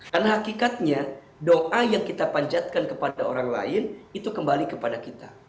karena hakikatnya doa yang kita panjatkan kepada orang lain itu kembali kepada kita